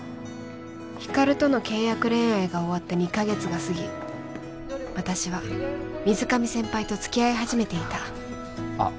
光琉との契約恋愛が終わって２カ月が過ぎ私は水上先輩と付き合い始めていたあっ